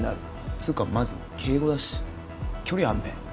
つかまず敬語だし距離あるね？